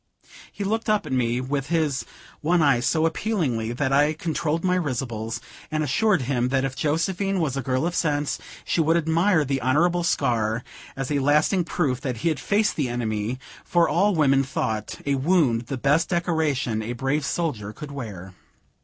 He looked up at me with his one eye so appealingly, that I controlled my risibles, and assured him that if Josephine was a girl of sense, she would admire the honorable scar, as a lasting proof that he had faced the enemy, for all women thought a wound the best decoration a brave soldier could wear.